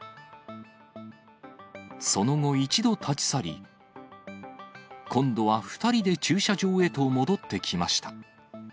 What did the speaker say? その後、一度立ち去り、今度は２人で駐車場へと戻ってきました。